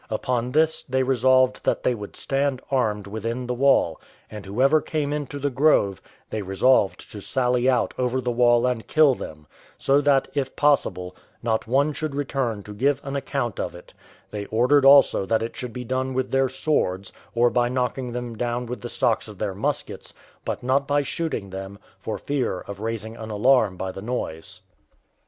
Upon this, they resolved that they would stand armed within the wall, and whoever came into the grove, they resolved to sally out over the wall and kill them, so that, if possible, not one should return to give an account of it; they ordered also that it should be done with their swords, or by knocking them down with the stocks of their muskets, but not by shooting them, for fear of raising an alarm by the noise.